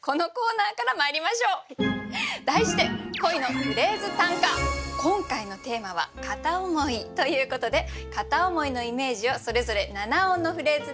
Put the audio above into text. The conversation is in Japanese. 題して今回のテーマは「片思い」ということで「片思い」のイメージをそれぞれ七音のフレーズで表します。